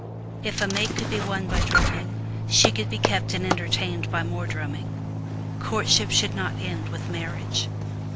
If a mate could be won by drumming she could be kept and enter tained by more drumming; courtship should not end with mar riage.